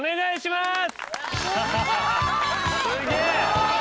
すげえ！